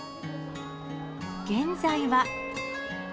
現在は。